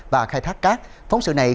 và khai thác cát phóng sự này